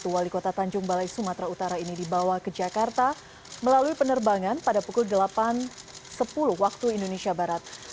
wali kota tanjung balai sumatera utara ini dibawa ke jakarta melalui penerbangan pada pukul delapan sepuluh waktu indonesia barat